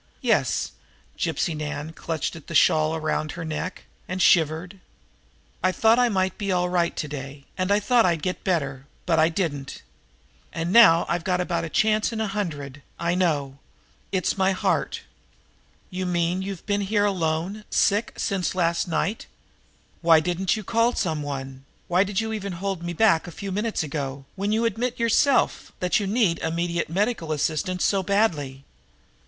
"Yes." Gypsy Nan clutched at the shawl around her neck, and shivered. "I thought I might be all right to day, and that I'd get better. But I didn't. And now I've got about a chance in a hundred. I know. It's my heart." "You mean you've been alone here, sick, since last night?" There was anxiety, perplexity, in Rhoda Gray's face. "Why didn't you call some one? Why did you even hold me back a few minutes ago, when you admit yourself that you need immediate medical assistance so badly?"